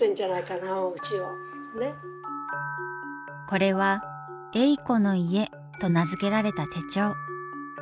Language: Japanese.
これは「えいこの家」と名付けられた手帳。